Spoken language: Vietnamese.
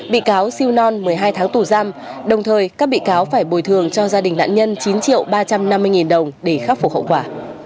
bị cáo siêu non một mươi hai tháng tù giam đồng thời các bị cáo phải bồi thường cho gia đình nạn nhân chín triệu ba trăm năm mươi nghìn đồng để khắc phục hậu quả